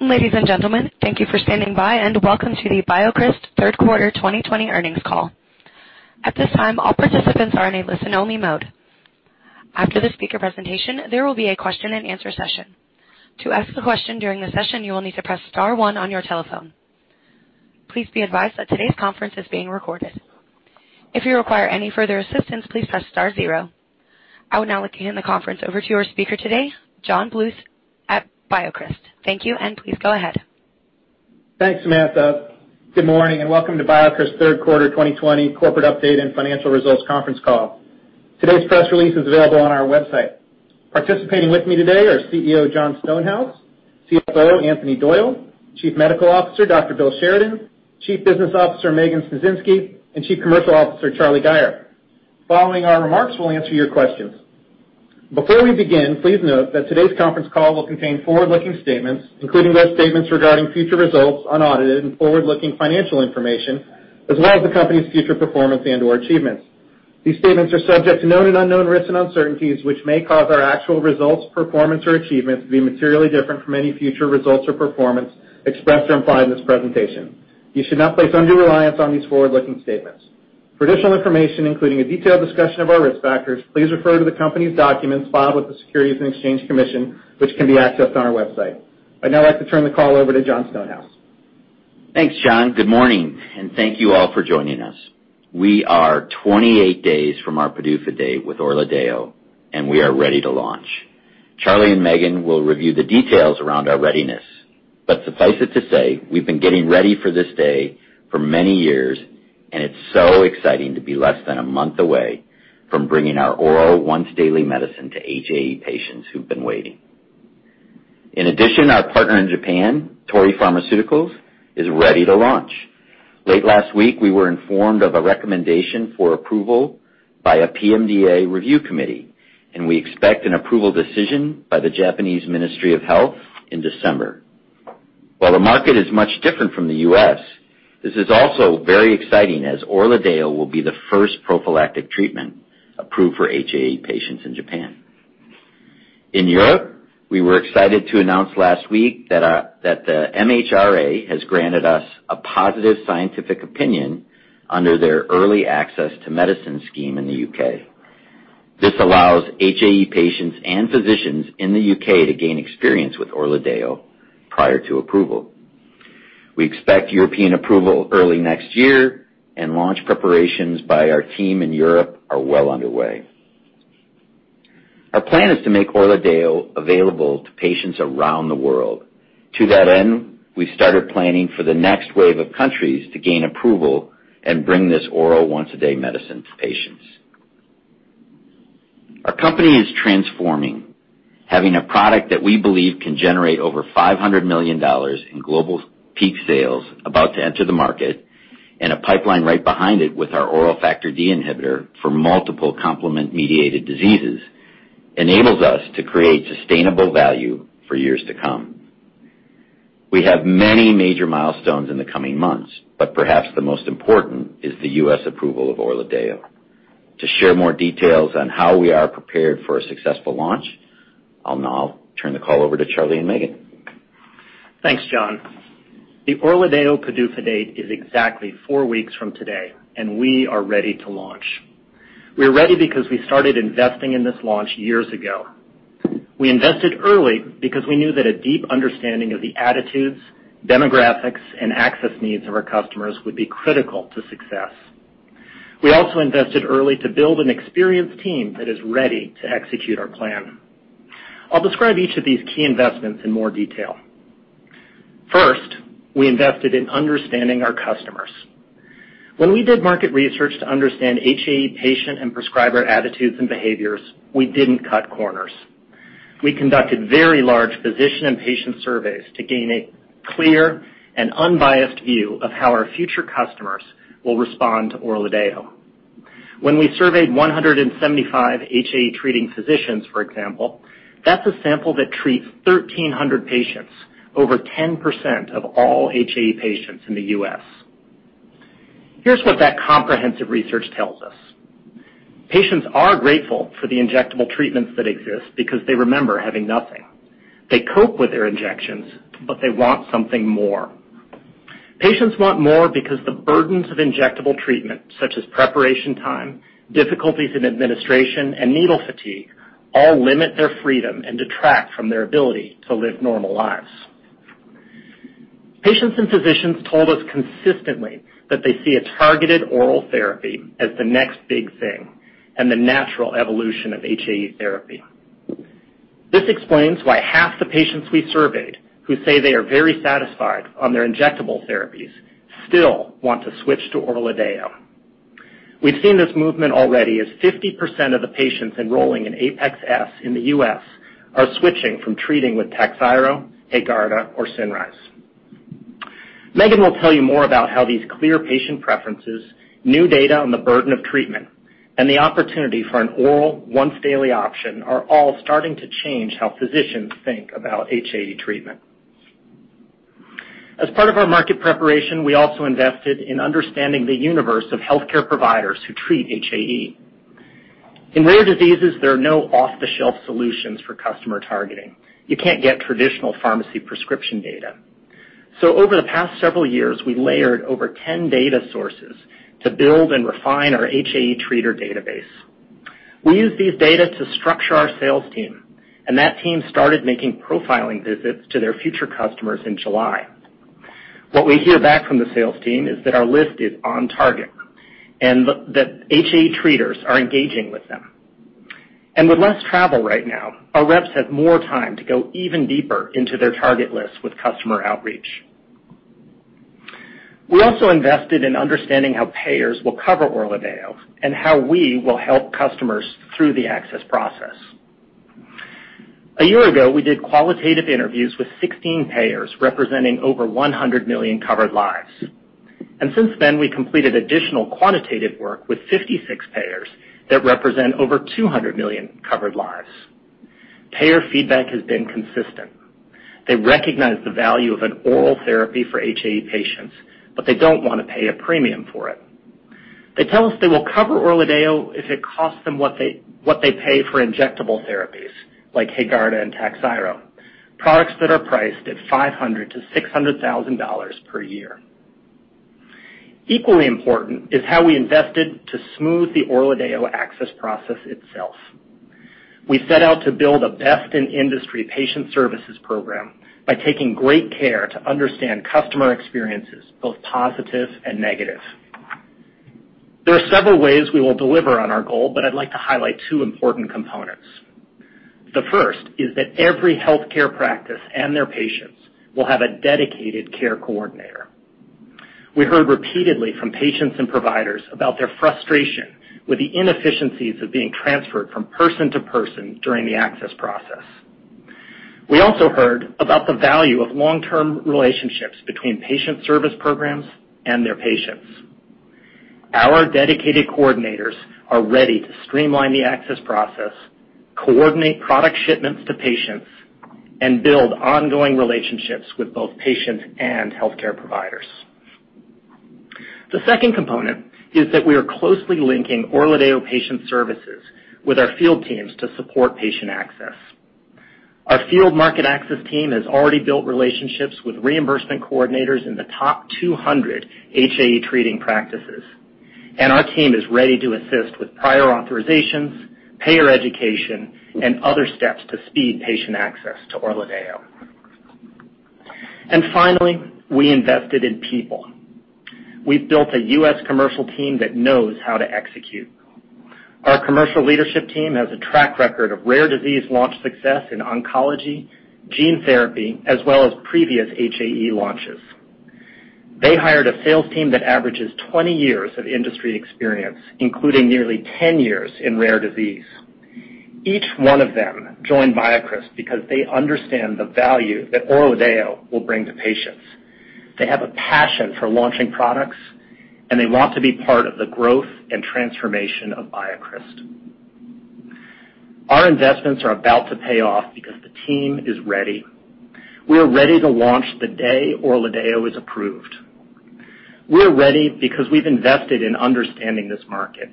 Ladies and gentlemen, thank you for standing by and welcome to the BioCryst Third Quarter 2020 Earnings Call. At this time, all participants are in a listen-only mode. After the speaker presentation, there will be a question and answer session. To ask a question during the session, you will need to press star one on your telephone. Please be advised that today's conference is being recorded. If you require any further assistance, please press star zero. I would now like to hand the conference over to our speaker today, John Bluth at BioCryst. Thank you, and please go ahead. Thanks, Samantha. Good morning and welcome to BioCryst third quarter 2020 corporate update and financial results conference call. Today's press release is available on our website. Participating with me today are CEO, Jon Stonehouse; CFO, Anthony Doyle; Chief Medical Officer, Dr. Bill Sheridan; Chief Business Officer, Megan Sniecinski, and Chief Commercial Officer, Charlie Gayer. Following our remarks, we'll answer your questions. Before we begin, please note that today's conference call will contain forward-looking statements, including those statements regarding future results, unaudited and forward-looking financial information, as well as the company's future performance and/or achievements. These statements are subject to known and unknown risks and uncertainties, which may cause our actual results, performance, or achievements to be materially different from any future results or performance expressed or implied in this presentation. You should not place undue reliance on these forward-looking statements. For additional information, including a detailed discussion of our risk factors, please refer to the company's documents filed with the Securities and Exchange Commission, which can be accessed on our website. I'd now like to turn the call over to Jon Stonehouse. Thanks, John Bluth. Good morning, and thank you all for joining us. We are 28 days from our PDUFA date with ORLADEYO, and we are ready to launch. Charlie Gayer and Megan Sniecinski will review the details around our readiness, suffice it to say, we've been getting ready for this day for many years, and it's so exciting to be less than a month away from bringing our oral once-daily medicine to HAE patients who've been waiting. In addition, our partner in Japan, Torii Pharmaceutical, is ready to launch. Late last week, we were informed of a recommendation for approval by a PMDA review committee, and we expect an approval decision by the Japanese Ministry of Health in December. While the market is much different from the U.S., this is also very exciting as ORLADEYO will be the first prophylactic treatment approved for HAE patients in Japan. In Europe, we were excited to announce last week that the MHRA has granted us a positive scientific opinion under their Early Access to Medicines Scheme in the U.K. This allows HAE patients and physicians in the U.K. to gain experience with ORLADEYO prior to approval. We expect European approval early next year and launch preparations by our team in Europe are well underway. Our plan is to make ORLADEYO available to patients around the world. To that end, we started planning for the next wave of countries to gain approval and bring this oral once-a-day medicine to patients. Our company is transforming. Having a product that we believe can generate over $500 million in global peak sales about to enter the market and a pipeline right behind it with our oral Factor D inhibitor for multiple complement-mediated diseases enables us to create sustainable value for years to come. We have many major milestones in the coming months, but perhaps the most important is the U.S. approval of ORLADEYO. To share more details on how we are prepared for a successful launch, I'll now turn the call over to Charlie Gayer and Megan Sniecinski. Thanks, Jon Stonehouse. The ORLADEYO PDUFA date is exactly four weeks from today and we are ready to launch. We are ready because we started investing in this launch years ago. We invested early because we knew that a deep understanding of the attitudes, demographics, and access needs of our customers would be critical to success. We also invested early to build an experienced team that is ready to execute our plan. I'll describe each of these key investments in more detail. First, we invested in understanding our customers. When we did market research to understand HAE patient and prescriber attitudes and behaviors, we didn't cut corners. We conducted very large physician and patient surveys to gain a clear and unbiased view of how our future customers will respond to ORLADEYO. When we surveyed 175 HAE-treating physicians, for example, that's a sample that treats 1,300 patients, over 10% of all HAE patients in the U.S. Here's what that comprehensive research tells us. Patients are grateful for the injectable treatments that exist because they remember having nothing. They cope with their injections, but they want something more. Patients want more because the burdens of injectable treatment, such as preparation time, difficulties in administration, and needle fatigue, all limit their freedom and detract from their ability to live normal lives. Patients and physicians told us consistently that they see a targeted oral therapy as the next big thing and the natural evolution of HAE therapy. This explains why half the patients we surveyed who say they are very satisfied on their injectable therapies still want to switch to ORLADEYO. We've seen this movement already as 50% of the patients enrolling in APEX-S in the U.S. are switching from treating with TAKHZYRO, HAEGARDA, or CINRYZE. Megan Sniecinski will tell you more about how these clear patient preferences, new data on the burden of treatment, and the opportunity for an oral once-daily option are all starting to change how physicians think about HAE treatment. As part of our market preparation, we also invested in understanding the universe of healthcare providers who treat HAE. In rare diseases, there are no off-the-shelf solutions for customer targeting. You can't get traditional pharmacy prescription data. Over the past several years, we layered over 10 data sources to build and refine our HAE treater database. We use these data to structure our sales team, and that team started making profiling visits to their future customers in July. What we hear back from the sales team is that our list is on target, and that HAE treaters are engaging with them. With less travel right now, our reps have more time to go even deeper into their target list with customer outreach. We also invested in understanding how payers will cover ORLADEYO and how we will help customers through the access process. A year ago, we did qualitative interviews with 16 payers representing over 100 million covered lives. Since then, we completed additional quantitative work with 56 payers that represent over 200 million covered lives. Payer feedback has been consistent. They recognize the value of an oral therapy for HAE patients, but they don't want to pay a premium for it. They tell us they will cover ORLADEYO if it costs them what they pay for injectable therapies like HAEGARDA and TAKHZYRO, products that are priced at $500,000 to $600,000 per year. Equally important is how we invested to smooth the ORLADEYO access process itself. We set out to build a best-in-industry patient services program by taking great care to understand customer experiences, both positive and negative. There are several ways we will deliver on our goal, but I'd like to highlight two important components. The first is that every healthcare practice and their patients will have a dedicated care coordinator. We heard repeatedly from patients and providers about their frustration with the inefficiencies of being transferred from person to person during the access process. We also heard about the value of long-term relationships between patient service programs and their patients. Our dedicated coordinators are ready to streamline the access process, coordinate product shipments to patients, and build ongoing relationships with both patients and healthcare providers. The second component is that we are closely linking ORLADEYO patient services with our field teams to support patient access. Our field market access team has already built relationships with reimbursement coordinators in the top 200 HAE treating practices, and our team is ready to assist with prior authorizations, payer education, and other steps to speed patient access to ORLADEYO. Finally, we invested in people. We've built a U.S. commercial team that knows how to execute. Our commercial leadership team has a track record of rare disease launch success in oncology, gene therapy, as well as previous HAE launches. They hired a sales team that averages 20 years of industry experience, including nearly 10 years in rare disease. Each one of them joined BioCryst because they understand the value that ORLADEYO will bring to patients. They have a passion for launching products, and they want to be part of the growth and transformation of BioCryst. Our investments are about to pay off because the team is ready. We are ready to launch the day ORLADEYO is approved. We're ready because we've invested in understanding this market.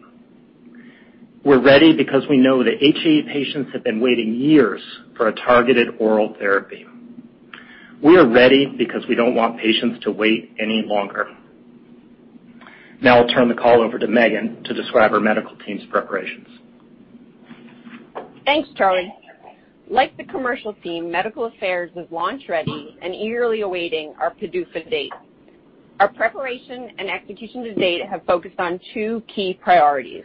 We're ready because we know that HAE patients have been waiting years for a targeted oral therapy. We are ready because we don't want patients to wait any longer. Now, I'll turn the call over to Megan Sniecinski to describe our medical team's preparations. Thanks, Charlie Gayer. Like the commercial team, medical affairs is launch-ready and eagerly awaiting our PDUFA date. Our preparation and execution to date have focused on two key priorities.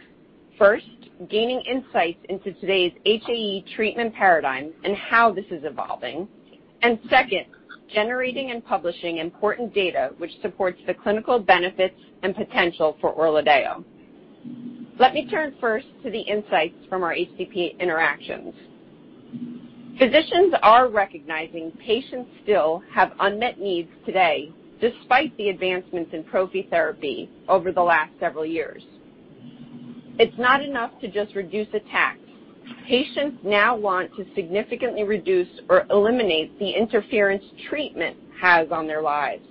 First, gaining insights into today's HAE treatment paradigm and how this is evolving. Second, generating and publishing important data which supports the clinical benefits and potential for ORLADEYO. Let me turn first to the insights from our HCP interactions. Physicians are recognizing patients still have unmet needs today, despite the advancements in prophy therapy over the last several years. It's not enough to just reduce attacks. Patients now want to significantly reduce or eliminate the interference treatment has on their lives.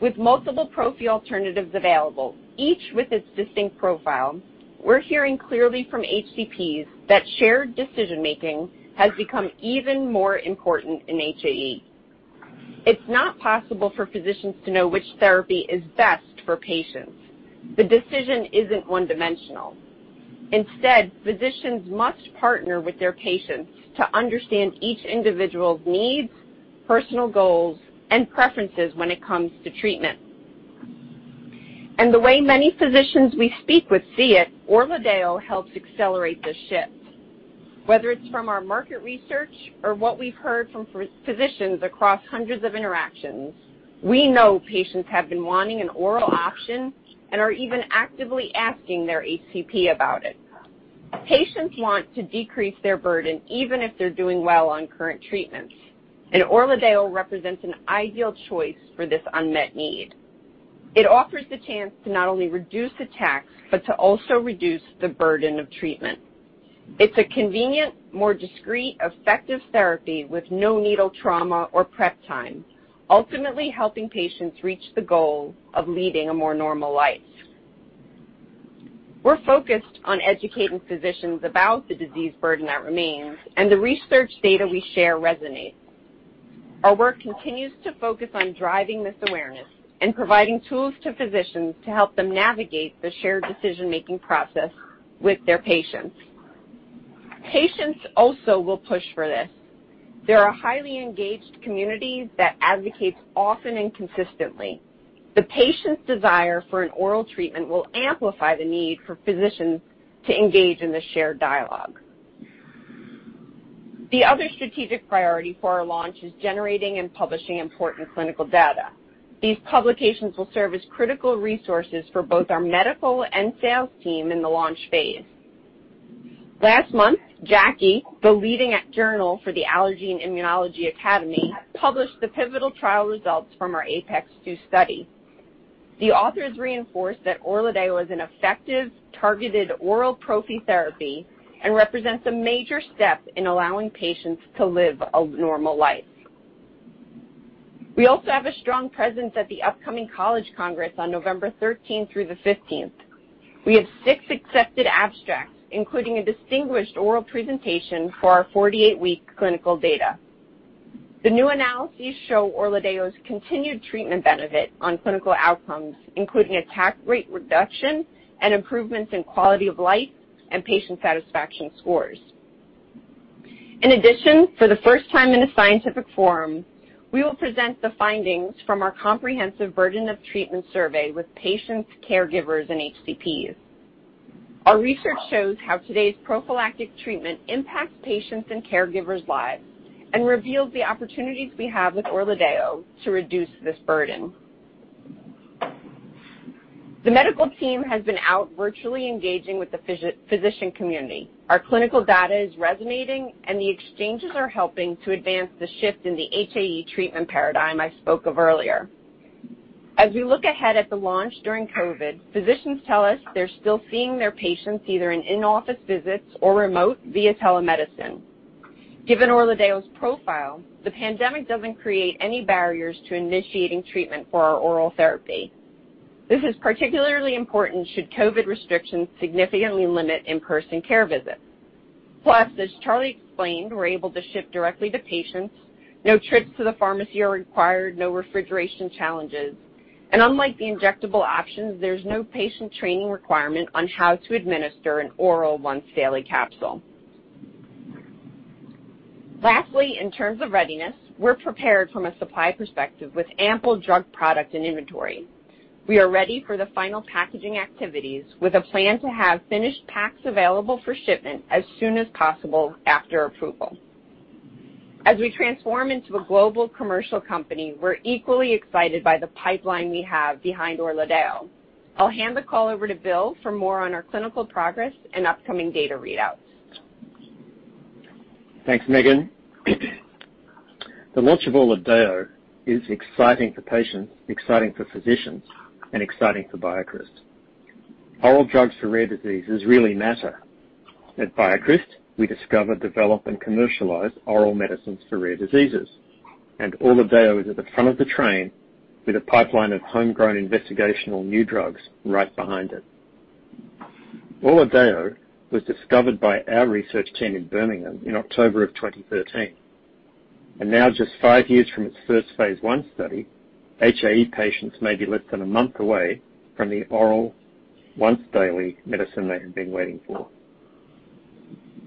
With multiple prophy alternatives available, each with its distinct profile, we're hearing clearly from HCPs that shared decision-making has become even more important in HAE. It's not possible for physicians to know which therapy is best for patients. The decision isn't one-dimensional. Instead, physicians must partner with their patients to understand each individual's needs, personal goals, and preferences when it comes to treatment. The way many physicians we speak with see it, ORLADEYO helps accelerate this shift. Whether it's from our market research or what we've heard from physicians across hundreds of interactions, we know patients have been wanting an oral option and are even actively asking their HCP about it. Patients want to decrease their burden, even if they're doing well on current treatments, and ORLADEYO represents an ideal choice for this unmet need. It offers the chance to not only reduce attacks, but to also reduce the burden of treatment. It's a convenient, more discreet, effective therapy with no needle trauma or prep time, ultimately helping patients reach the goal of leading a more normal life. We're focused on educating physicians about the disease burden that remains, and the research data we share resonates. Our work continues to focus on driving this awareness and providing tools to physicians to help them navigate the shared decision-making process with their patients. Patients also will push for this. There are highly engaged communities that advocate often and consistently. The patient's desire for an oral treatment will amplify the need for physicians to engage in the shared dialogue. The other strategic priority for our launch is generating and publishing important clinical data. These publications will serve as critical resources for both our medical and sales team in the launch phase. Last month, JACI, the leading journal for the Allergy and Immunology Academy, published the pivotal trial results from our APEX-2 study. The authors reinforced that ORLADEYO is an effective targeted oral prophy therapy and represents a major step in allowing patients to live a normal life. We also have a strong presence at the upcoming College Congress on November 13th through the 15th. We have six accepted abstracts, including a distinguished oral presentation for our 48-week clinical data. The new analyses show ORLADEYO's continued treatment benefit on clinical outcomes, including attack rate reduction and improvements in quality of life and patient satisfaction scores. In addition, for the first time in a scientific forum, we will present the findings from our comprehensive burden of treatment survey with patients, caregivers, and HCPs. Our research shows how today's prophylactic treatment impacts patients' and caregivers' lives and reveals the opportunities we have with ORLADEYO to reduce this burden. The medical team has been out virtually engaging with the physician community. Our clinical data is resonating and the exchanges are helping to advance the shift in the HAE treatment paradigm I spoke of earlier. As we look ahead at the launch during COVID, physicians tell us they're still seeing their patients either in-office visits or remote via telemedicine. Given ORLADEYO's profile, the pandemic doesn't create any barriers to initiating treatment for our oral therapy. This is particularly important should COVID restrictions significantly limit in-person care visits. As Charlie explained, we're able to ship directly to patients. No trips to the pharmacy are required, no refrigeration challenges. Unlike the injectable options, there's no patient training requirement on how to administer an oral once-daily capsule. Lastly, in terms of readiness, we're prepared from a supply perspective with ample drug product and inventory. We are ready for the final packaging activities with a plan to have finished packs available for shipment as soon as possible after approval. As we transform into a global commercial company, we're equally excited by the pipeline we have behind ORLADEYO. I'll hand the call over to Bill Sheridan for more on our clinical progress and upcoming data readouts. Thanks, Megan Sniecinski. The launch of ORLADEYO is exciting for patients, exciting for physicians, and exciting for BioCryst. Oral drugs for rare diseases really matter. At BioCryst, we discover, develop, and commercialize oral medicines for rare diseases. ORLADEYO is at the front of the train with a pipeline of homegrown investigational new drugs right behind it. ORLADEYO was discovered by our research team in Birmingham in October of 2013, and now, just five years from its first phase I study, HAE patients may be less than a month away from the oral once-daily medicine they have been waiting for.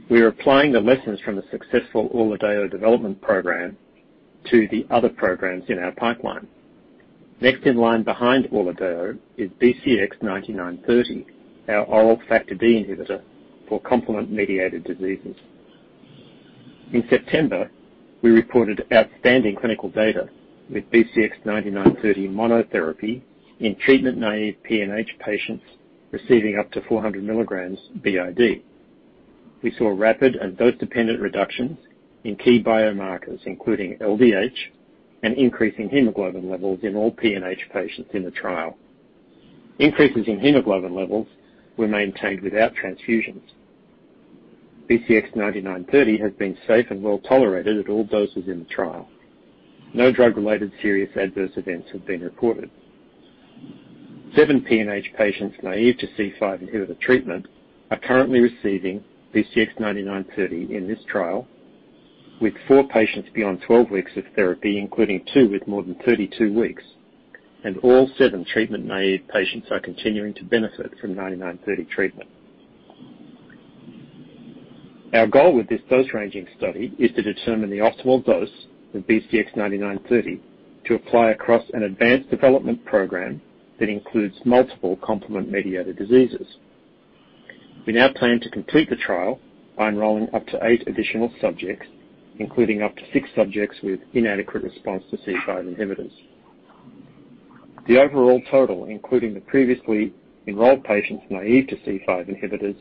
We are applying the lessons from the successful ORLADEYO development program to the other programs in our pipeline. Next in line behind ORLADEYO is BCX9930, our oral Factor D inhibitor for complement-mediated diseases. In September, we reported outstanding clinical data with BCX9930 monotherapy in treatment-naive PNH patients receiving up to 400 milligrams BID. We saw rapid and dose-dependent reductions in key biomarkers, including LDH and increase in hemoglobin levels in all PNH patients in the trial. Increases in hemoglobin levels were maintained without transfusions. BCX9930 has been safe and well-tolerated at all doses in the trial. No drug-related serious adverse events have been reported. Seven PNH patients naive to C5 inhibitor treatment are currently receiving BCX9930 in this trial, with four patients beyond 12 weeks of therapy, including two with more than 32 weeks, and all seven treatment-naive patients are continuing to benefit from BCX9930 treatment. Our goal with this dose-ranging study is to determine the optimal dose of BCX9930 to apply across an advanced development program that includes multiple complement-mediated diseases. We now plan to complete the trial by enrolling up to eight additional subjects, including up to six subjects with inadequate response to C5 inhibitors. The overall total, including the previously enrolled patients naive to C5 inhibitors,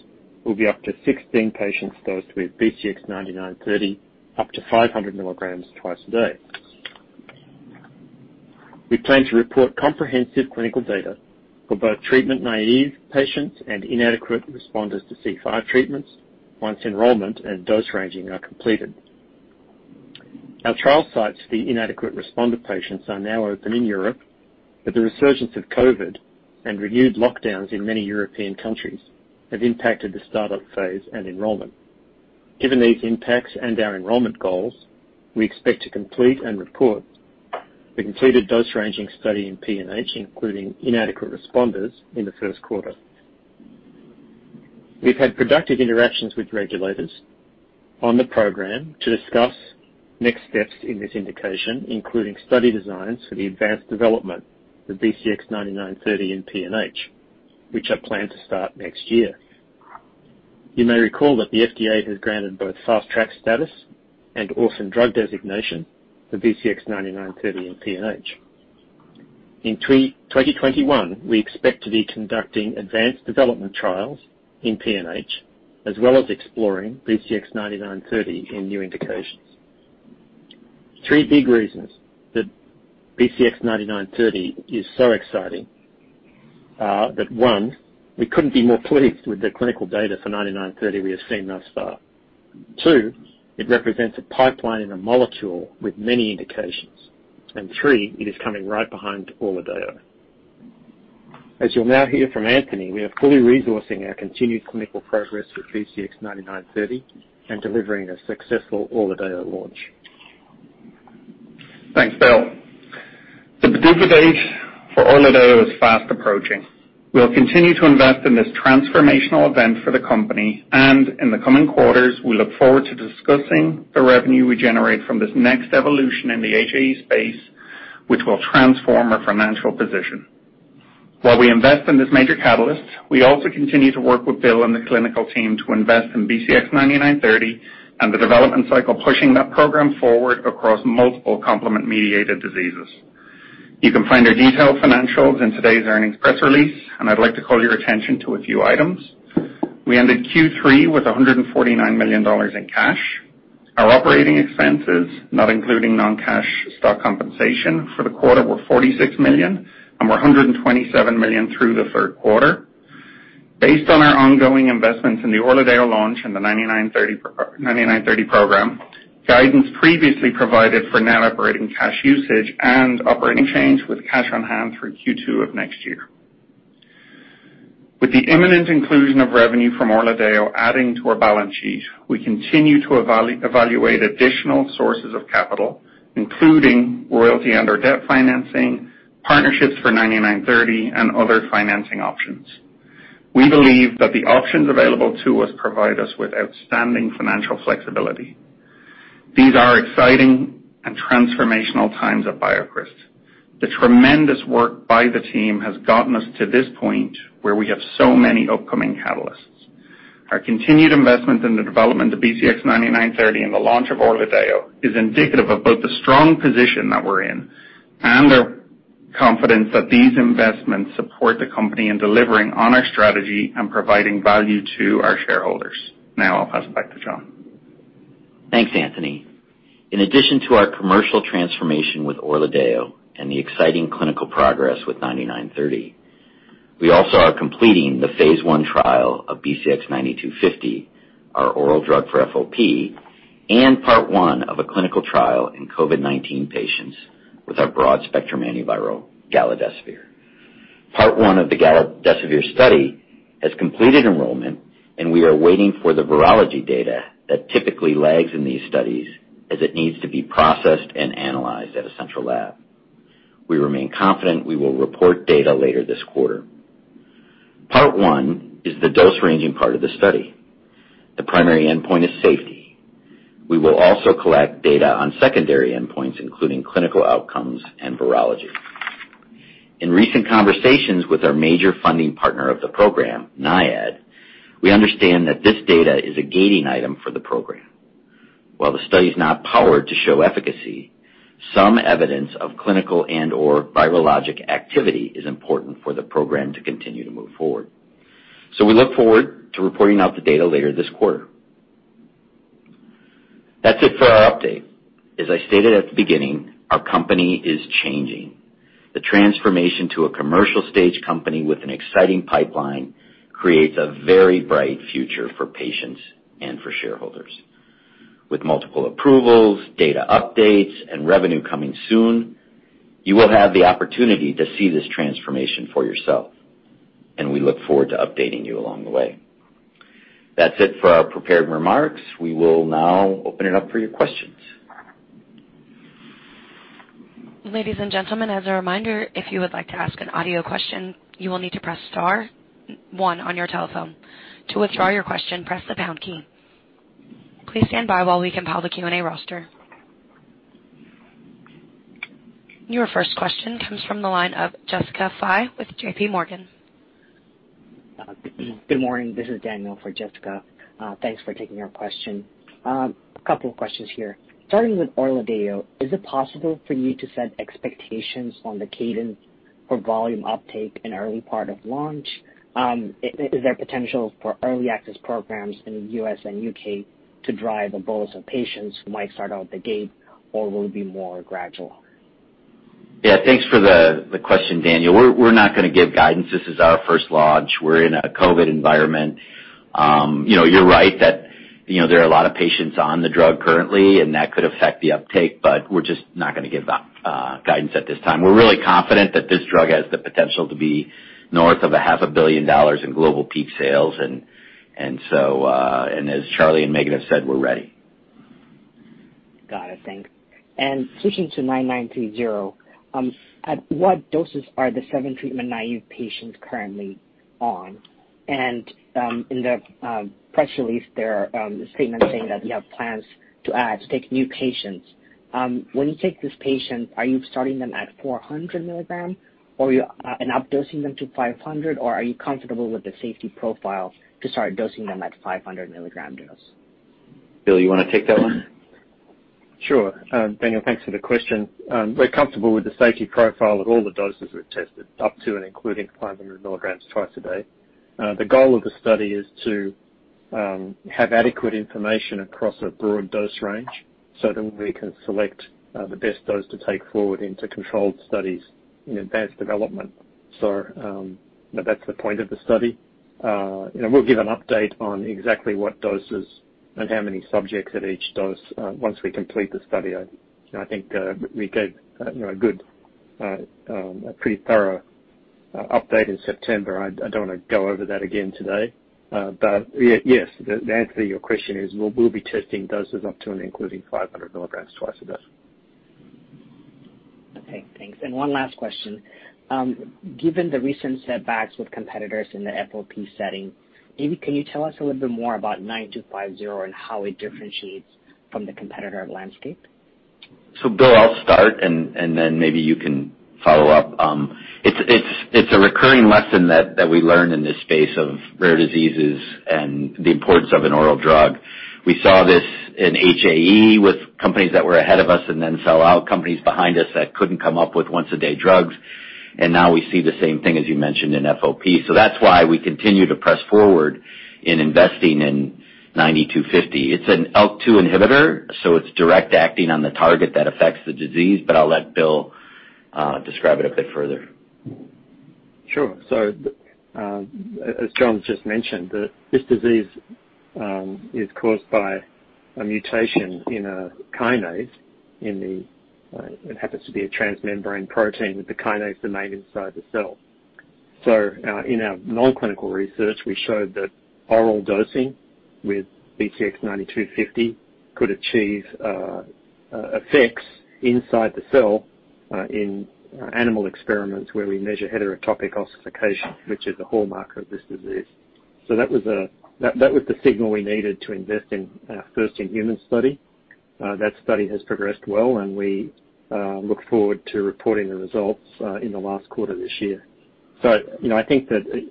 will be up to 16 patients dosed with BCX9930 up to 500 milligrams twice a day. We plan to report comprehensive clinical data for both treatment-naive patients and inadequate responders to C5 treatments once enrollment and dose ranging are completed. Our trial sites for the inadequate responder patients are now open in Europe, but the resurgence of COVID and renewed lockdowns in many European countries have impacted the startup phase and enrollment. Given these impacts and our enrollment goals, we expect to complete and report the completed dose ranging study in PNH, including inadequate responders, in the first quarter. We've had productive interactions with regulators on the program to discuss next steps in this indication, including study designs for the advanced development of BCX9930 in PNH, which are planned to start next year. You may recall that the FDA has granted both Fast Track status and Orphan Drug Designation for BCX9930 in PNH. In 2021, we expect to be conducting advanced development trials in PNH, as well as exploring BCX9930 in new indications. Three big reasons that BCX9930 is so exciting are that, one, we couldn't be more pleased with the clinical data for BCX9930 we have seen thus far. Two, it represents a pipeline in a molecule with many indications. Three, it is coming right behind ORLADEYO. As you'll now hear from Anthony Doyle, we are fully resourcing our continued clinical progress with BCX9930 and delivering a successful ORLADEYO launch. Thanks, Bill. The PDUFA date for ORLADEYO is fast approaching. We'll continue to invest in this transformational event for the company, and in the coming quarters, we look forward to discussing the revenue we generate from this next evolution in the HAE space, which will transform our financial position. While we invest in this major catalyst, we also continue to work with Bill Sheridan and the clinical team to invest in BCX9930 and the development cycle, pushing that program forward across multiple complement-mediated diseases. You can find our detailed financials in today's earnings press release, and I'd like to call your attention to a few items. We ended Q3 with $149 million in cash. Our operating expenses, not including non-cash stock compensation for the quarter, were $46 million, and were $127 million through the third quarter. Based on our ongoing investments in the ORLADEYO launch and the BCX9930 program, guidance previously provided for net operating cash usage and operating change with cash on hand through Q2 of next year. With the imminent inclusion of revenue from ORLADEYO adding to our balance sheet, we continue to evaluate additional sources of capital, including royalty and/or debt financing, partnerships for BCX9930, and other financing options. We believe that the options available to us provide us with outstanding financial flexibility. These are exciting and transformational times at BioCryst. The tremendous work by the team has gotten us to this point where we have so many upcoming catalysts. Our continued investment in the development of BCX9930 and the launch of ORLADEYO is indicative of both the strong position that we're in and our confidence that these investments support the company in delivering on our strategy and providing value to our shareholders. Now I'll pass it back to Jon Stonehouse. Thanks, Anthony Doyle. In addition to our commercial transformation with ORLADEYO and the exciting clinical progress with BCX9930, we also are completing the phase I trial of BCX9250, our oral drug for FOP, and part one of a clinical trial in COVID-19 patients with our broad-spectrum antiviral, galidesivir. Part one of the galidesivir study has completed enrollment, and we are waiting for the virology data that typically lags in these studies as it needs to be processed and analyzed at a central lab. We remain confident we will report data later this quarter. Part one is the dose-ranging part of the study. The primary endpoint is safety. We will also collect data on secondary endpoints, including clinical outcomes and virology. In recent conversations with our major funding partner of the program, NIAID, we understand that this data is a gating item for the program. While the study's not powered to show efficacy, some evidence of clinical and/or virologic activity is important for the program to continue to move forward. We look forward to reporting out the data later this quarter. That's it for our update. As I stated at the beginning, our company is changing. The transformation to a commercial stage company with an exciting pipeline creates a very bright future for patients and for shareholders. With multiple approvals, data updates, and revenue coming soon, you will have the opportunity to see this transformation for yourself, and we look forward to updating you along the way. That's it for our prepared remarks. We will now open it up for your questions. Ladies and gentlemen, as a reminder, if you would like to ask an audio question, you will need to press star one on your telephone. To withdraw your question, press the pound key. Please stand by while we compile the Q&A roster. Your first question comes from the line of Jessica Fye with JPMorgan. Good morning. This is Daniel for Jessica. Thanks for taking our question. A couple of questions here. Starting with ORLADEYO, is it possible for you to set expectations on the cadence for volume uptake in early part of launch, is there potential for early access programs in the U.S. and U.K. to drive a bolus of patients who might start out the gate, or will it be more gradual? Yeah, thanks for the question, Daniel. We're not going to give guidance. This is our first launch. We're in a COVID environment. You're right that there are a lot of patients on the drug currently, and that could affect the uptake, but we're just not going to give guidance at this time. We're really confident that this drug has the potential to be north of a half a billion dollars in global peak sales, and as Charlie Gayer and Megan Sniecinski have said, we're ready. Got it. Thanks. Switching to BCX9930, at what doses are the seven treatment-naive patients currently on? In the press release there, a statement saying that you have plans to take new patients. When you take this patient, are you starting them at 400 milligram and up-dosing them to 500, or are you comfortable with the safety profile to start dosing them at 500-milligram dose? Bill Sheridan, you want to take that one? Sure. Daniel, thanks for the question. We're comfortable with the safety profile at all the doses we've tested, up to and including 500 milligrams twice a day. The goal of the study is to have adequate information across a broad dose range so that we can select the best dose to take forward into controlled studies in advanced development. That's the point of the study. We'll give an update on exactly what doses and how many subjects at each dose once we complete the study. I think we gave a good, pretty thorough update in September. I don't want to go over that again today. Yes, the answer to your question is we'll be testing doses up to and including 500 milligrams twice a day. Okay, thanks. One last question. Given the recent setbacks with competitors in the FOP setting, maybe can you tell us a little bit more about BCX9250 and how it differentiates from the competitor landscape? Bill Sheridan, I'll start, and then maybe you can follow up. It's a recurring lesson that we learned in this space of rare diseases and the importance of an oral drug. We saw this in HAE with companies that were ahead of us and then [sellout] companies behind us that couldn't come up with once-a-day drugs. Now we see the same thing, as you mentioned, in FOP. That's why we continue to press forward in investing in BCX9250. It's an ALK2 inhibitor, so it's direct acting on the target that affects the disease, but I'll let Bill Sheridan describe it a bit further. Sure. As Jon Stonehouse just mentioned, this disease is caused by a mutation in a kinase. It happens to be a transmembrane protein, but the kinase is made inside the cell. In our non-clinical research, we showed that oral dosing with BCX9250 could achieve effects inside the cell in animal experiments where we measure heterotopic ossification, which is the hallmark of this disease. That was the signal we needed to invest in our first in-human study. That study has progressed well, and we look forward to reporting the results in the last quarter of this year. I think that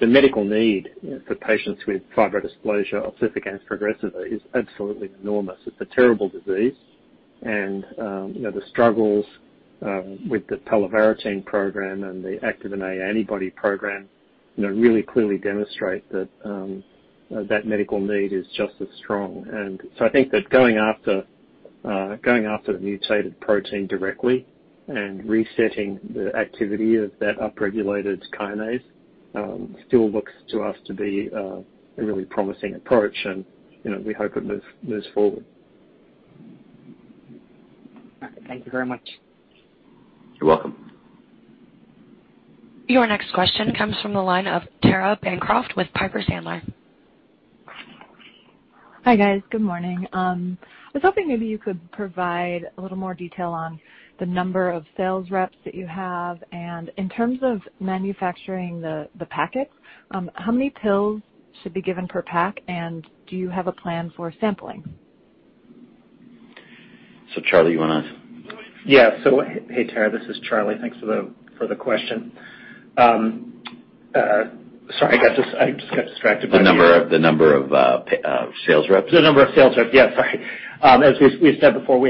the medical need for patients with fibrodysplasia ossificans progressiva is absolutely enormous. It's a terrible disease, and the struggles with the palovarotene program and the activin A antibody program really clearly demonstrate that medical need is just as strong. I think that going after the mutated protein directly and resetting the activity of that upregulated kinase still looks to us to be a really promising approach, and we hope it moves forward. Thank you very much. You're welcome. Your next question comes from the line of Tara Bancroft with Piper Sandler. Hi, guys. Good morning. I was hoping maybe you could provide a little more detail on the number of sales reps that you have. In terms of manufacturing the packets, how many pills should be given per pack, and do you have a plan for sampling? Charlie Gayer, you want to. Yeah. Hey, Tara Bancroft. This is Charlie Gayer. Thanks for the question. The number of sales reps. The number of sales reps. Yeah, sorry. As we've said before,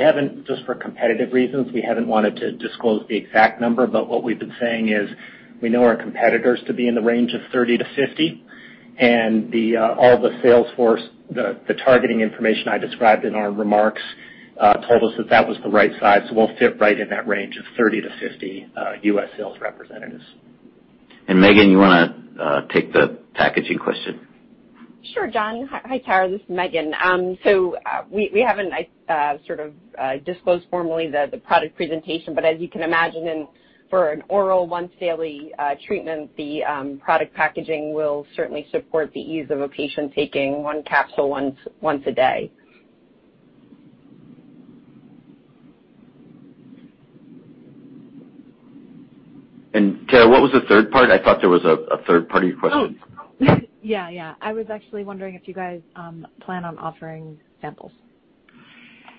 just for competitive reasons, we haven't wanted to disclose the exact number, but what we've been saying is we know our competitors to be in the range of 30-50, and all the sales force, the targeting information I described in our remarks told us that was the right size. We'll fit right in that range of 30-50 U.S. sales representatives. Megan Sniecinski, you want to take the packaging question? Sure, Jon Stonehouse. Hi, Tara Bancroft. This is Megan Sniecinski. We haven't disclosed formally the product presentation, but as you can imagine, for an oral once-daily treatment, the product packaging will certainly support the ease of a patient taking one capsule once a day. Tara Bancroft, what was the third part? I thought there was a third part of your question. Yeah, I was actually wondering if you guys plan on offering samples?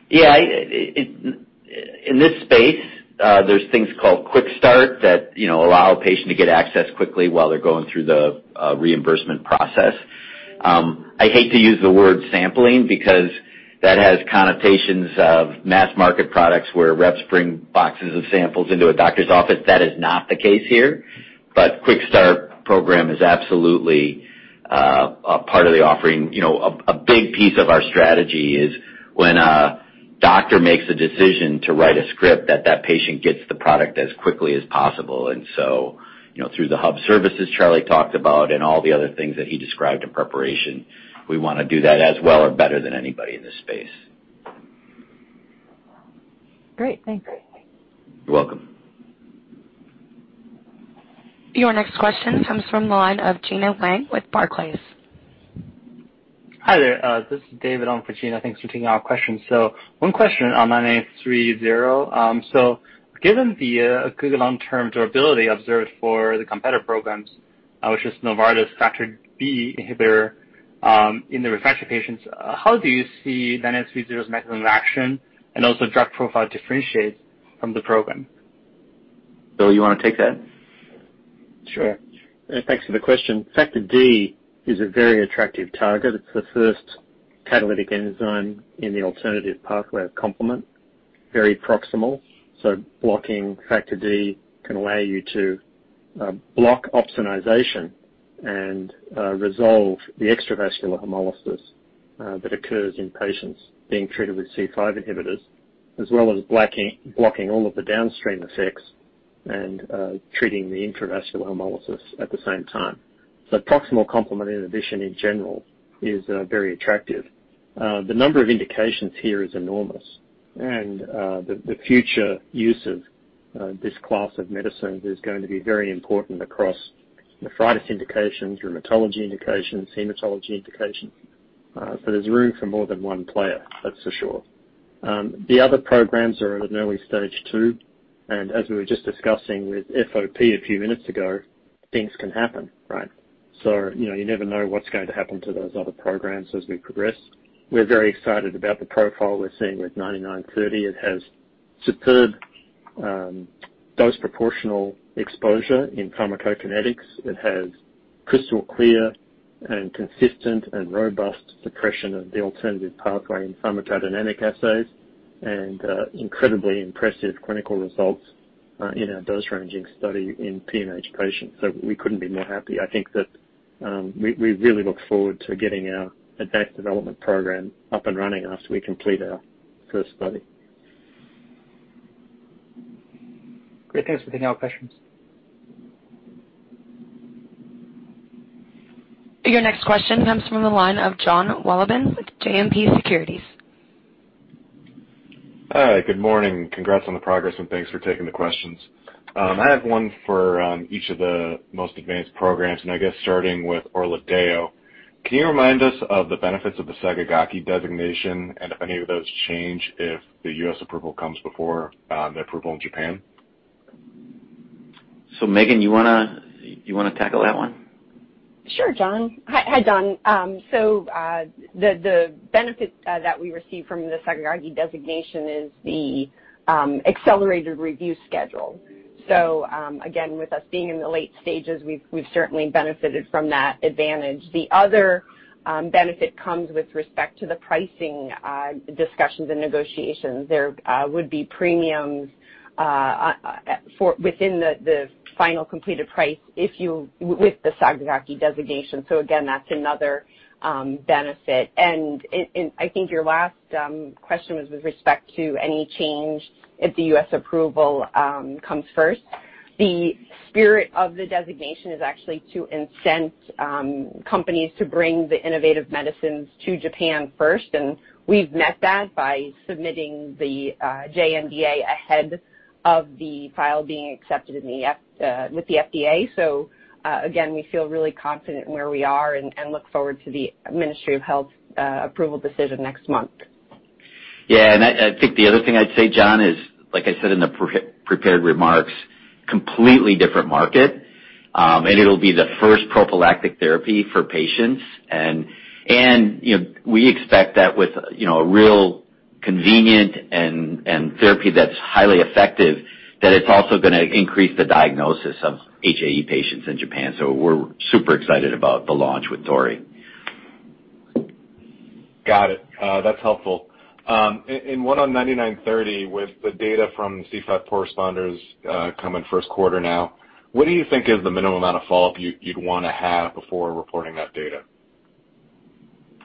Yeah. In this space, there's things called Quick Start that allow a patient to get access quickly while they're going through the reimbursement process. I hate to use the word sampling because that has connotations of mass market products where reps bring boxes of samples into a doctor's office. That is not the case here. Quick Start program is absolutely a part of the offering. A big piece of our strategy is when a doctor makes a decision to write a script that that patient gets the product as quickly as possible. Through the hub services Charlie Gayer talked about and all the other things that he described in preparation, we want to do that as well or better than anybody in this space. Great. Thanks. You're welcome. Your next question comes from the line of Gena Wang with Barclays. Hi there. This is David on for Gena. Thanks for taking our question. One question on BCX9930. Given the good long-term durability observed for the competitor programs, which is Novartis Factor D inhibitor in the refractor patients, how do you see BCX9930's mechanism of action and also drug profile differentiate from the program? Bill Sheridan, you want to take that? Sure. Thanks for the question. Factor D is a very attractive target. It's the first catalytic enzyme in the alternative pathway of complement. Very proximal, so blocking Factor D can allow you to block opsonization and resolve the extravascular hemolysis that occurs in patients being treated with C5 inhibitors, as well as blocking all of the downstream effects and treating the intravascular hemolysis at the same time. Proximal complement inhibition in general is very attractive. The number of indications here is enormous, and the future use of this class of medicines is going to be very important across nephritis indications, rheumatology indications, hematology indications. There's room for more than one player, that's for sure. The other programs are at an early stage too, and as we were just discussing with FOP a few minutes ago, things can happen, right? You never know what's going to happen to those other programs as we progress. We're very excited about the profile we're seeing with BCX9930. It has superb dose proportional exposure in pharmacokinetics. It has crystal clear and consistent and robust suppression of the alternative pathway in pharmacodynamic assays and incredibly impressive clinical results in our dose ranging study in PNH patients. We couldn't be more happy. I think that we really look forward to getting our advanced development program up and running as we complete our first study. Great. Thanks for taking our questions. Your next question comes from the line of Jon Wolleben with JMP Securities. Hi, good morning. Congrats on the progress and thanks for taking the questions. I have one for each of the most advanced programs and I guess starting with ORLADEYO. Can you remind us of the benefits of the Sakigake designation and if any of those change if the U.S. approval comes before the approval in Japan? Megan Sniecinski, you want to tackle that one? Sure, Jon Stonehouse. Hi, Jon Wolleben. The benefit that we receive from the Sakigake designation is the accelerated review schedule. Again, with us being in the late stages, we've certainly benefited from that advantage. The other benefit comes with respect to the pricing discussions and negotiations. There would be premiums within the final completed price if you -- with the Sakigake designation. Again, that's another benefit. I think your last question was with respect to any change if the U.S. approval comes first. The spirit of the designation is actually to incent companies to bring the innovative medicines to Japan first, and we've met that by submitting the JNDA ahead of the file being accepted with the FDA. Again, we feel really confident in where we are and look forward to the Ministry of Health approval decision next month. Yeah, I think the other thing I'd say, Jon Wolleben, is like I said in the prepared remarks, completely different market. It'll be the first prophylactic therapy for patients. We expect that with a real convenient and therapy that's highly effective, that it's also going to increase the diagnosis of HAE patients in Japan. We're super excited about the launch with Torii. Got it. That's helpful. One on BCX9930 with the data from C5 responders coming first quarter now, what do you think is the minimum amount of follow-up you'd want to have before reporting that data?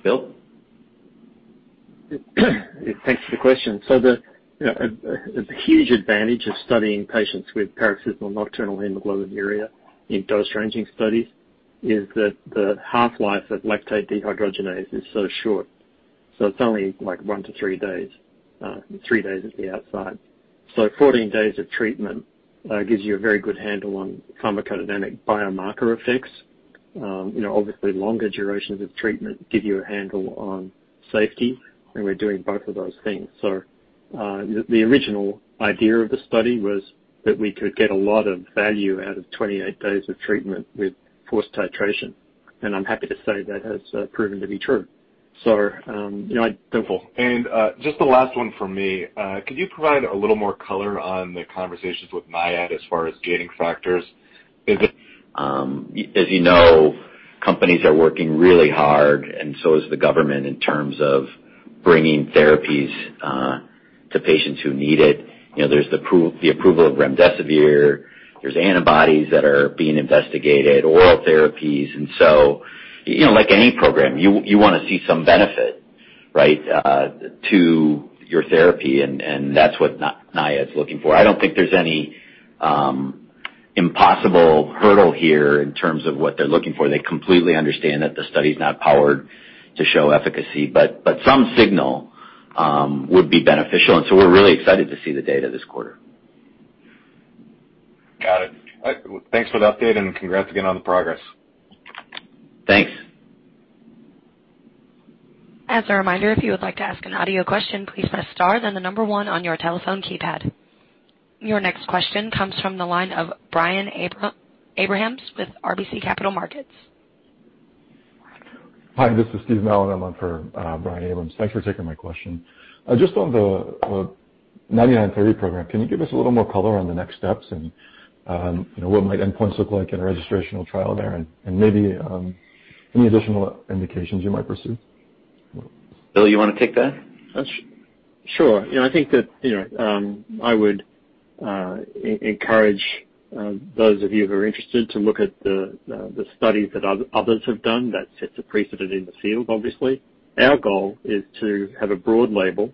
Bill Sheridan? Thanks for the question. The huge advantage of studying patients with paroxysmal nocturnal hemoglobinuria in dose ranging studies is that the half-life of lactate dehydrogenase is so short, so it's only one to three days. Three days at the outside. 14 days of treatment gives you a very good handle on pharmacodynamic biomarker effects. Obviously longer durations of treatment give you a handle on safety, and we're doing both of those things. The original idea of the study was that we could get a lot of value out of 28 days of treatment with forced titration. I'm happy to say that has proven to be true. That's helpful. Just the last one from me. Could you provide a little more color on the conversations with NIAID as far as gating factors? As you know, companies are working really hard, and so is the government, in terms of bringing therapies to patients who need it. There's the approval of remdesivir, there's antibodies that are being investigated, oral therapies. Like any program, you want to see some benefit to your therapy, and that's what NIAID is looking for. I don't think there's any impossible hurdle here in terms of what they're looking for. They completely understand that the study's not powered to show efficacy, but some signal would be beneficial, and so we're really excited to see the data this quarter. Got it. Thanks for the update. Congrats again on the progress. Thanks. Your next question comes from the line of Brian Abrahams with RBC Capital Markets. Hi, this is Steve Mallon. I'm on for Brian Abrahams. Thanks for taking my question. Just on the BCX9930 program, can you give us a little more color on the next steps and what might endpoints look like in a registrational trial there, and maybe any additional indications you might pursue? Bill Sheridan, you want to take that? Sure. I think that I would encourage those of you who are interested to look at the studies that others have done that set the precedent in the field, obviously. Our goal is to have a broad label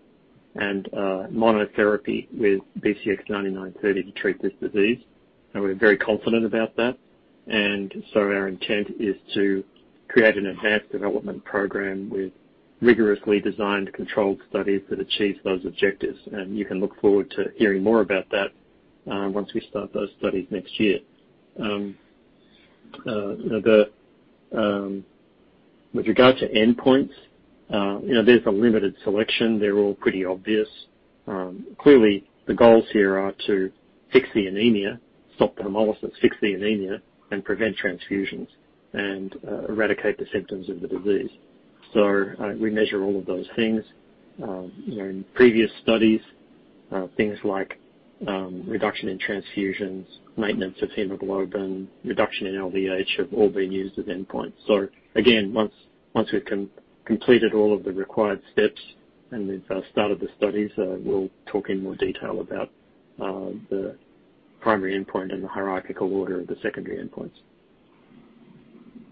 and monotherapy with BCX9930 to treat this disease, and we're very confident about that. Our intent is to create an advanced development program with rigorously designed controlled studies that achieve those objectives. You can look forward to hearing more about that once we start those studies next year. With regard to endpoints, there's a limited selection. They're all pretty obvious. Clearly, the goals here are to fix the anemia, stop the hemolysis, fix the anemia, and prevent transfusions and eradicate the symptoms of the disease. We measure all of those things. In previous studies, things like reduction in transfusions, maintenance of hemoglobin, reduction in LDH have all been used as endpoints. Again, once we've completed all of the required steps and we've started the studies, we'll talk in more detail about the primary endpoint and the hierarchical order of the secondary endpoints.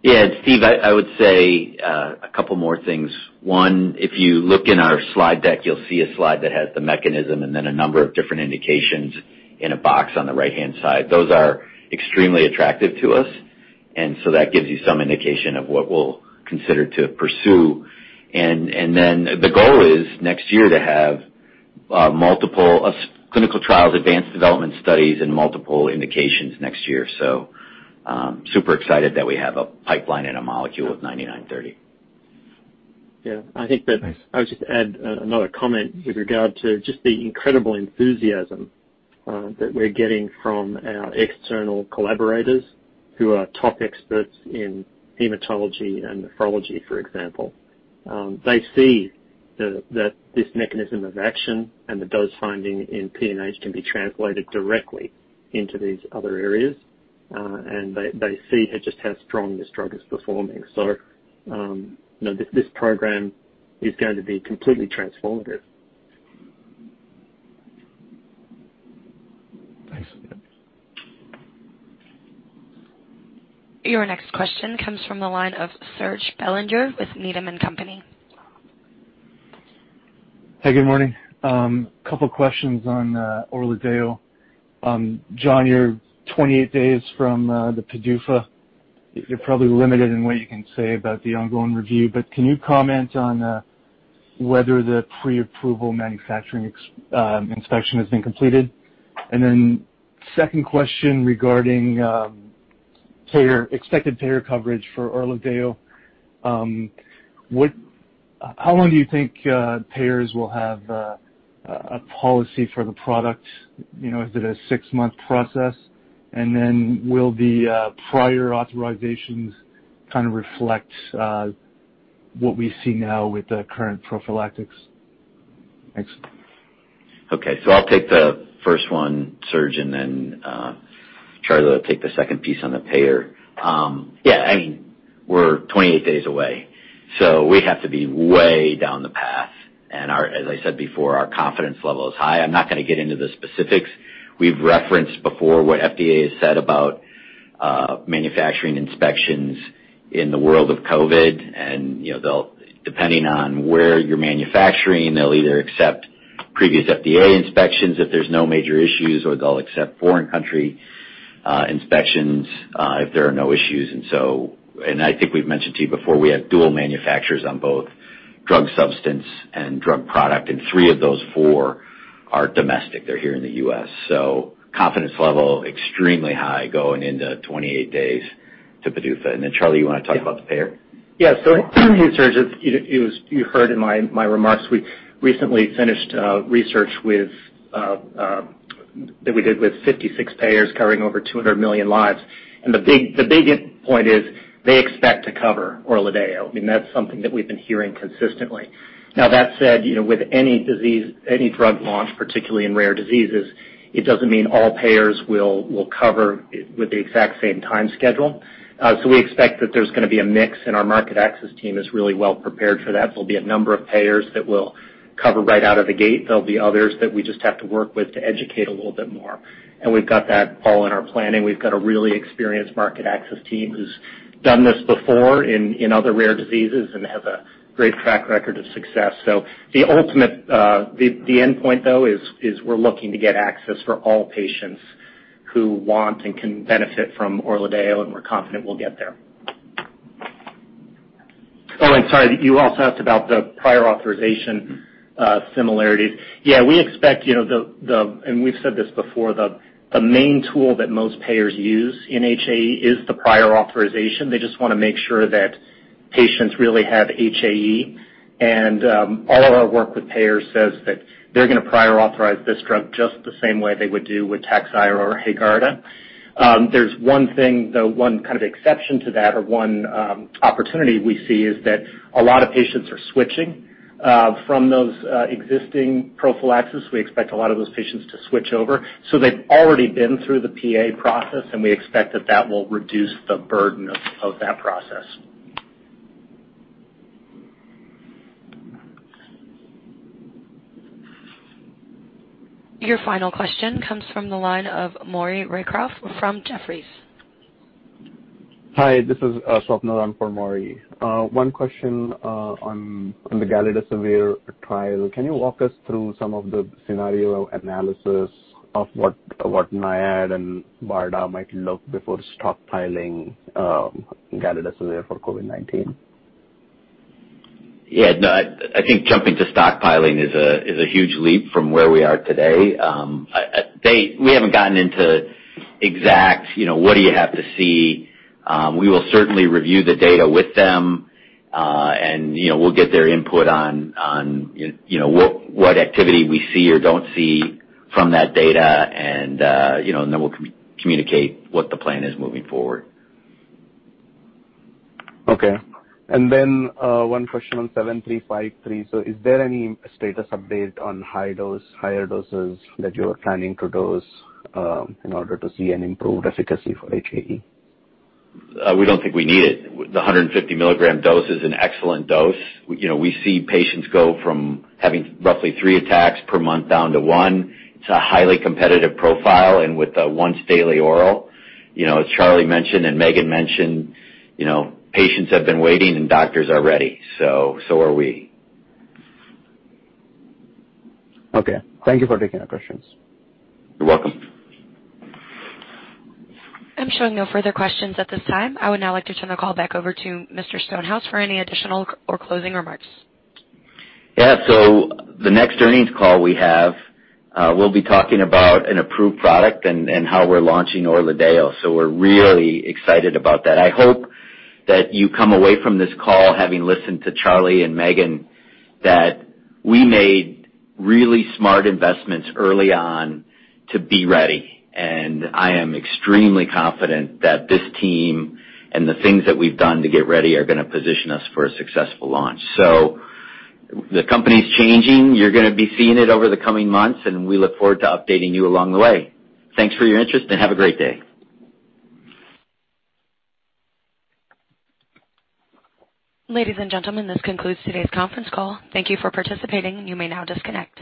Yeah. Steve Mallon, I would say a couple more things. One, if you look in our slide deck, you'll see a slide that has the mechanism and then a number of different indications in a box on the right-hand side. Those are extremely attractive to us, and so that gives you some indication of what we'll consider to pursue. The goal is next year to have multiple clinical trials, advanced development studies and multiple indications next year. Super excited that we have a pipeline and a molecule with BCX9930. Yeah. I think. Thanks. I would just add another comment with regard to just the incredible enthusiasm that we're getting from our external collaborators who are top experts in hematology and nephrology, for example. They see that this mechanism of action and the dose finding in PNH can be translated directly into these other areas. They see just how strong this drug is performing. This program is going to be completely transformative. Thanks. Your next question comes from the line of Serge Belanger with Needham & Company. Hey, good morning. Couple questions on ORLADEYO. Jon Stonehouse, you're 28 days from the PDUFA. You're probably limited in what you can say about the ongoing review, but can you comment on whether the pre-approval manufacturing inspection has been completed? Second question regarding expected payer coverage for ORLADEYO. How long do you think payers will have a policy for the product? Is it a six-month process? Will the prior authorizations reflect what we see now with the current prophylactics? Thanks. Okay. I'll take the first one, Serge Belanger, and then Charlie Gayer will take the second piece on the payer. Yeah, we're 28 days away, so we have to be way down the path. I'm not going to get into the specifics. We've referenced before what FDA has said about manufacturing inspections in the world of COVID, and depending on where you're manufacturing, they'll either accept previous FDA inspections if there's no major issues, or they'll accept foreign country inspections if there are no issues. I think we've mentioned to you before, we have dual manufacturers on both drug substance and drug product, and three of those four are domestic. They're here in the U.S. Confidence level extremely high going into 28 days to PDUFA. Then Charlie Gayer, you want to talk about the payer? Yeah. Serge Belanger, you heard in my remarks, we recently finished research that we did with 56 payers covering over 200 million lives. The big point is they expect to cover ORLADEYO. That's something that we've been hearing consistently. That said, with any drug launch, particularly in rare diseases, it doesn't mean all payers will cover with the exact same time schedule. We expect that there's going to be a mix, and our market access team is really well prepared for that. There'll be a number of payers that will cover right out of the gate. There'll be others that we just have to work with to educate a little bit more. We've got that all in our planning. We've got a really experienced market access team who's done this before in other rare diseases and has a great track record of success. The end point, though, is we're looking to get access for all patients who want and can benefit from ORLADEYO, and we're confident we'll get there. Sorry, you also asked about the prior authorization similarities. We expect, and we've said this before, the main tool that most payers use in HAE is the prior authorization. They just want to make sure that patients really have HAE. All of our work with payers says that they're going to prior authorize this drug just the same way they would do with TAKHZYRO or HAEGARDA. There's one thing, though, one kind of exception to that, or one opportunity we see is that a lot of patients are switching from those existing prophylaxis. We expect a lot of those patients to switch over. They've already been through the PA process, and we expect that that will reduce the burden of that process. Your final question comes from the line of Maury Raycroft from Jefferies. Hi, this is [Swapnil] in for Maury. One question on the galidesivir trial. Can you walk us through some of the scenario analysis of what NIAID and BARDA might look before stockpiling galidesivir for COVID-19? No, I think jumping to stockpiling is a huge leap from where we are today. We haven't gotten into exact, what do you have to see? We will certainly review the data with them. We'll get their input on what activity we see or don't see from that data, and then we'll communicate what the plan is moving forward. Okay. One question on BCX7353. Is there any status update on higher doses that you are planning to dose in order to see an improved efficacy for HAE? We don't think we need it. The 150 milligram dose is an excellent dose. We see patients go from having roughly three attacks per month down to one. It's a highly competitive profile and with a once-daily oral. As Charlie Gayer mentioned and Megan Sniecinski mentioned, patients have been waiting and doctors are ready. So are we. Okay. Thank you for taking our questions. You're welcome. I'm showing no further questions at this time. I would now like to turn the call back over to Mr. Jon Stonehouse for any additional or closing remarks. Yeah. The next earnings call we have, we'll be talking about an approved product and how we're launching ORLADEYO. We're really excited about that. I hope that you come away from this call, having listened to Charlie Gayer and Megan Sniecinski, that we made really smart investments early on to be ready. I am extremely confident that this team and the things that we've done to get ready are going to position us for a successful launch. The company's changing. You're going to be seeing it over the coming months, and we look forward to updating you along the way. Thanks for your interest and have a great day. Ladies and gentlemen, this concludes today's conference call. Thank you for participating and you may now disconnect.